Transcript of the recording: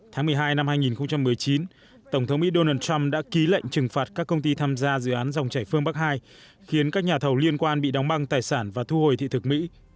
tháng một mươi hai năm hai nghìn một mươi chín tổng thống mỹ donald trump đã ký lệnh trừng phạt các công ty tham gia dự án dòng chảy phương bắc hai khiến các nhà thầu liên quan bị đóng băng tài sản và thu hồi thị thực mỹ